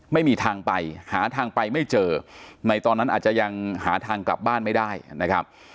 ไม่มีทางไปหาทางไปไม่เจอในตอนนั้นอาจจะยังหาทางกลับบ้านไม่ได้นะครับ